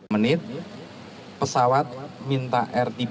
menit pesawat minta rtb